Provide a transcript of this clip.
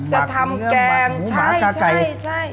จะทำแกงหมักเนื้อหมักหูหมากกาไก่